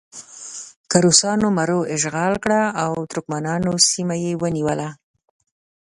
که روسانو مرو اشغال کړه او ترکمنانو سیمه یې ونیوله.